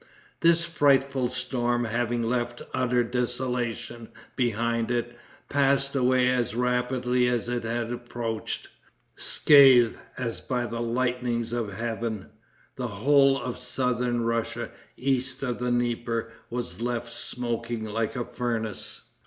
This frightful storm having left utter desolation behind it, passed away as rapidly as it had approached. Scathed as by the lightnings of heaven, the whole of southern Russia east of the Dnieper was left smoking like a furnace.